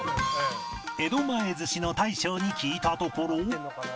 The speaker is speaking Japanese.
江戸前寿司の大将に聞いたところ